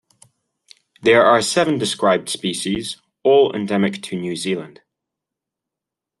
There are seven described species, all endemic to New Zealand.